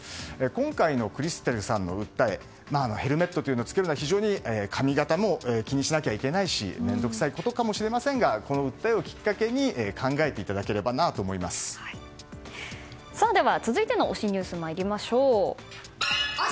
今回のクリステルさんの訴えヘルメットというのは着けるのは非常に髪形も気にしなきゃいけないし面倒くさいことかもしれませんがこの訴えをきっかけに続いての推しニュースに参りましょう。